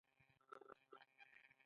آیا د یو پرمختللي هیواد په توګه نه دی؟